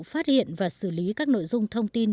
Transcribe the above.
phát hiện và xử lý các nội dung thông tin